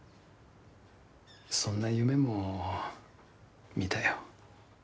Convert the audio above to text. そんな夢も見たよ。